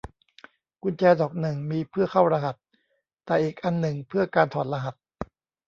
กุญแจดอกหนึ่งมีเพื่อเข้ารหัส แต่อีกอันหนึ่งเพื่อการถอดรหัส